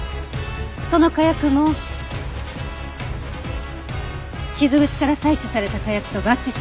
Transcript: その火薬も傷口から採取された火薬と合致しました。